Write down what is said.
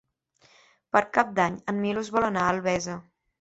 Per Cap d'Any en Milos vol anar a Albesa.